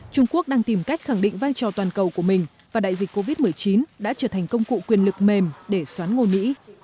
trung quốc đang tìm cách khẳng định vai trò toàn cầu của mình và đại dịch covid một mươi chín đã trở thành công cụ quyền lực mềm để xoán ngôi mỹ